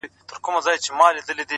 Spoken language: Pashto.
په تورو سترگو کي کمال د زلفو مه راوله-